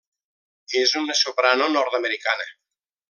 És una soprano nord-americana.